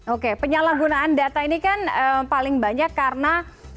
oke penyalahgunaan data ini kan paling banyak karena